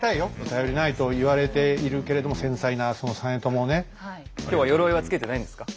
頼りないと言われているけれども繊細なその実朝をね。今日は鎧はつけてないんですか？